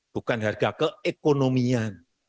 bukan harga keekonomian